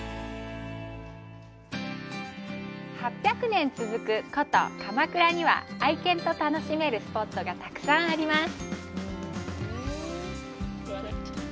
８００年続く古都・鎌倉には愛犬と楽しめるスポットがたくさんあります。